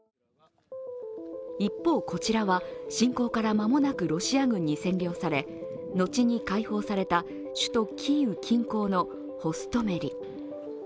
一方、こちらは侵攻から間もなくロシア軍に占領され後に解放された首都キーウ近郊のホストメリ。